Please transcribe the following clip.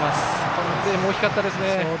このプレーも大きかったですね。